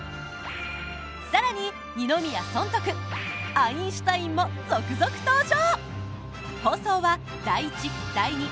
更に二宮尊徳アインシュタインも続々登場！